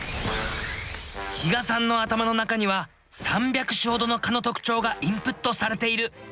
比嘉さんの頭の中には３００種ほどの蚊の特徴がインプットされている。